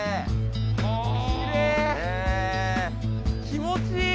気持ちいい！